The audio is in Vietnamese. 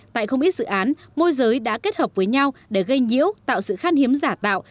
tại không ít dự án môi giới đã kết hợp với nhau để gây nhiễu tạo sự khan hiếm giả tạo